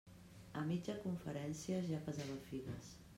A mitja conferència ja pesava figues.